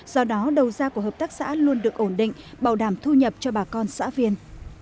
do đó đầu gia của hợp tác xã luôn được ổn định bảo đảm thu nhập cho bà con xã viên